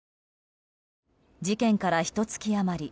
事件から、ひと月余り。